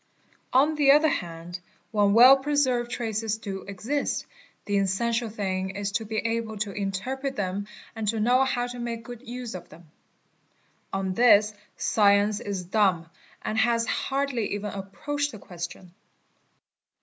On the ~ other hand when well preserved traces do exist, the essential thing is to be able to interpret them and to know how to make good use of them. " On this science is dumb and has hardly even approached the question.